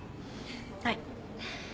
はい。